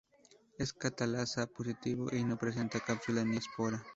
Es catalasa positivo y no presenta cápsula ni espora.